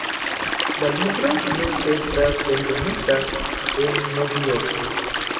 La libro nun estas eldonita en Novjorko.